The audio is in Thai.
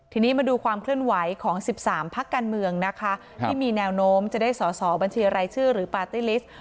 ทีนี้มาดูความเคลื่อนไหวของ๑๓พักการเมืองนะคะที่มีแนวโน้มจะได้สอสอบัญชีรายชื่อหรือปาร์ตี้ลิสต์